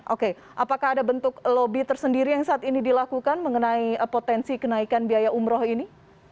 oke apakah ada bentuk lobby tersendiri yang saat ini dilakukan mengenai potensi kenaikan biaya umroh ini